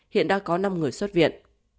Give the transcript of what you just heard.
hiện đã có năm người xuất viện